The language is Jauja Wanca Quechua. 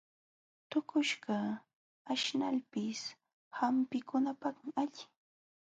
Tuqushkaq aśhnalpis hampikunapaqmi allin.